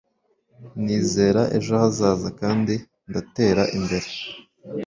nizera ejo hazaza, kandi ndatera imbere